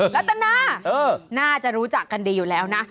รัฐนาน่าจะรู้จักกันดีอยู่แล้วนะ